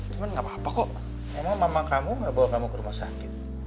cuman gak apa apa kok emang mama kamu gak bawa kamu ke rumah sakit